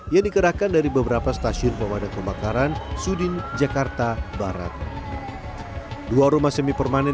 yang dikerahkan dari beberapa stasiun pemadam kebakaran sudin jakarta barat dua rumah semi permanen